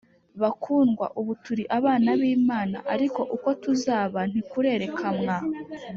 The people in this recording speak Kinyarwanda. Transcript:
‘‘Bakundwa, ubu turi abana b’Imana ariko uko tuzaba ntikurerekamwa